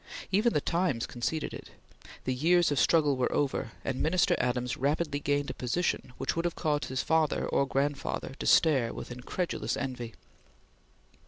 Even the Times conceded it. The years of struggle were over, and Minister Adams rapidly gained a position which would have caused his father or grandfather to stare with incredulous envy.